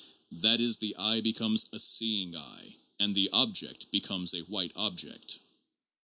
That is, the eye becomes a seeing eye, and the object becomes a white object.